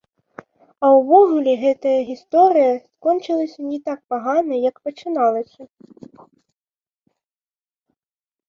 А ўвогуле гэтая гісторыя скончылася не так пагана як пачыналася.